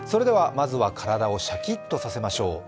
まずずは体をシャキッとさせましょう。